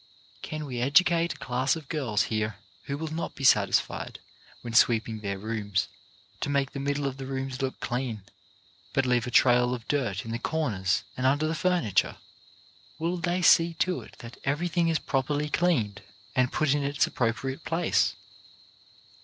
Can we educate a class of girls here who will not be satis fied when sweeping their rooms to make the mid dle of the rooms look clean, but leave a trail of dirt in the corners and under the furniture ? Will they see to it that everything is properly cleaned and put in its appropriate place?